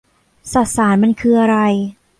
สสารมันคืออะไร